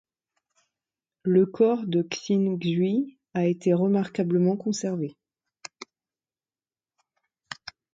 Le corps de Xin Zhui a été remarquablement conservé.